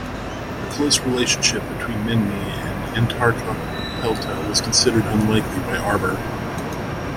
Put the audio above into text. A close relationship between "Minmi" and "Antarctopelta" was considered unlikely by Arbour.